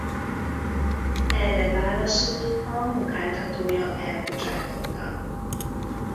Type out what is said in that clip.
Erre válaszul a munkáltatója elbocsátotta.